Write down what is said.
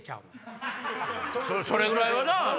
それぐらいはな？